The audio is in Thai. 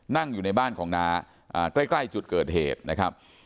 นั่งอยู่ในบ้านของน้าใกล้จุดเกิดเหตุนะครับ